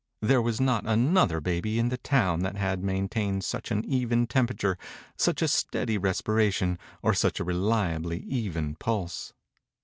There was not another baby in the town that had maintained such an even temperature, such a steady respiration, or such a reliably even pulse.